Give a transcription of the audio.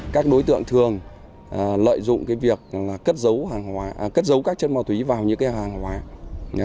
các đối tượng thường lợi dụng việc cất dấu các chân ma túy vào những hàng hóa